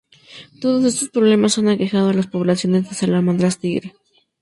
Todos estos problemas han aquejado a las poblaciones de salamandras tigre.